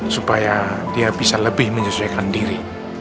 supaya dia bisa lebih menyesuaikan diri